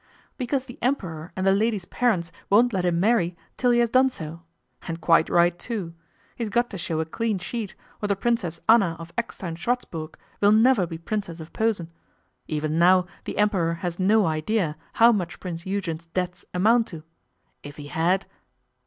'Because the Emperor and the lady's parents won't let him marry till he has done so! And quite right, too! He's got to show a clean sheet, or the Princess Anna of Eckstein Schwartzburg will never be Princess of Posen. Even now the Emperor has no idea how much Prince Eugen's debts amount to. If he had